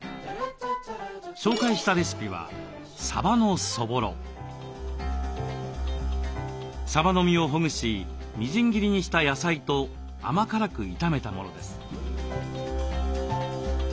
紹介したレシピはさばの身をほぐしみじん切りにした野菜と甘辛く炒めたものです。